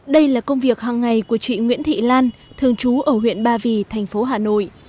đây là công việc hàng ngày của chị nguyễn thị lan thường trú ở huyện ba vì thành phố hà nội